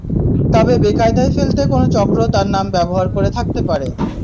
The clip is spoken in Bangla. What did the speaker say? তাঁকে বেকায়দায় ফেলতে কোনো চক্র তাঁর নাম ব্যবহার করে থাকতে পারে।